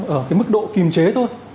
ở cái mức độ kìm chế thôi